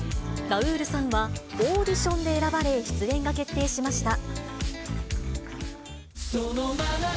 ラウールさんはオーディションで選ばれ、出演が決定しました。